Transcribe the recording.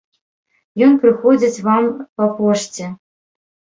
Ён прыходзіць вам па пошце.